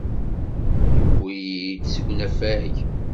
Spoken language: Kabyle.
Yewwi-iyi-d seg unafag.